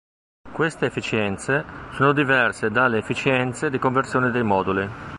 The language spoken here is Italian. Queste efficienze sono diverse dalle efficienze di conversione dei moduli.